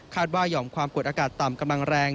ว่าหย่อมความกดอากาศต่ำกำลังแรง